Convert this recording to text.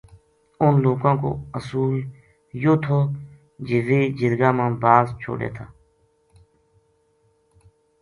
انھ لوکاں کو اصول یوہ تھو جی ویہ جرگا ما باز چھوڈے تھا